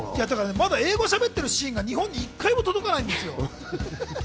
まだ英語を喋ってるシーンが日本に１回も届かないんですよ。